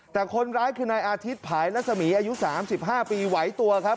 แต่คนร้ายคือนายอาทิตย์ภายรัศมีอายุ๓๕ปีไหวตัวครับ